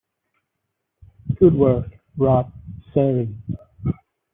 Good work, Rod Serling.